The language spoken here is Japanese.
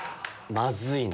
「まずいな」